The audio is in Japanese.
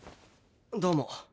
どうも。